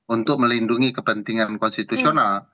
untuk melindungi kepentingan konstitusional